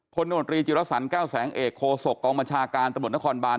คนนโมนตรีจิลศรัสน๙แสงเอกโคศกองค์บัญชาการส่วนนครบาน